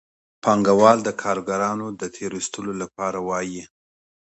پانګوال د کارګرانو د تېر ایستلو لپاره وايي